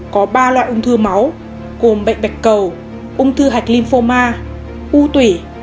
có ba loại ung thư máu gồm bệnh bạch cầu ung thư hạch lymphoma u tủy